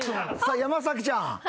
山ちゃん。